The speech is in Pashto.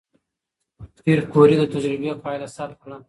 پېیر کوري د تجربې پایله ثبت کړه.